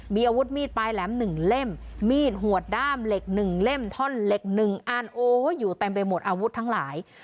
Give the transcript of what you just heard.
มีอาวุธมีดปลายแหลมหนึ่งเล่มมีดหัวด้ามเหล็กหนึ่งเล่มท่อนเหล็ก๑อันโอ้ยอยู่เต็มไปหมดอาวุธทั้งหลาย